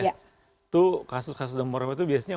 itu kasus kasus demam berdarah itu biasanya